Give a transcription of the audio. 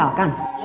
adi dan rifki